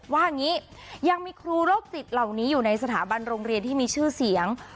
ว่าอย่างนี้ยังมีครูโรคจิตเหล่านี้อยู่ในสถาบันโรงเรียนที่มีชื่อเสียง